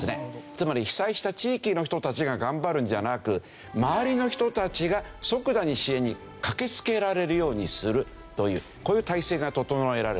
つまり被災した地域の人たちが頑張るんじゃなく周りの人たちが即座に支援に駆けつけられるようにするというこういう体制が整えられてるって事ですね。